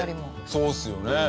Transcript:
そうですよね。